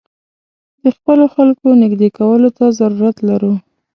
د خپلو خلکو نېږدې کولو ته ضرورت لرو.